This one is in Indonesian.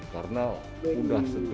karena udah setia